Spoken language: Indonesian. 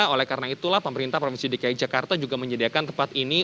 oleh karena itulah pemerintah provinsi dki jakarta juga menyediakan tempat ini